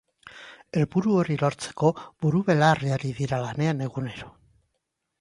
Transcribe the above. helburu hori lortzeko buru-belarri ari dira lanean egunero